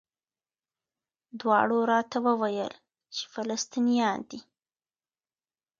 دواړو راته وویل چې فلسطینیان دي.